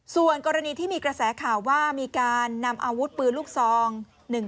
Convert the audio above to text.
ส่วนกรณีที่มีกระแสข่าวว่ามีการนำอาวุธปืนลูกซอง